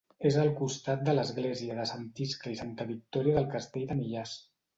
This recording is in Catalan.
És al costat de l'església de Sant Iscle i Santa Victòria del castell de Millars.